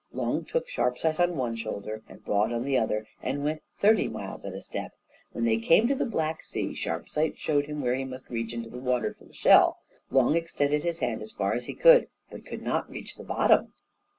Long took Sharpsight on one shoulder, and Broad on the other, and went thirty miles at a step. When they came to the black sea, Sharpsight showed him where he must reach into the water for the shell. Long extended his hand as far as he could, but could not reach the bottom.